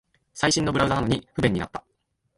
最新のブラウザなのに不便になった